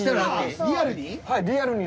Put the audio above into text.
あリアルに？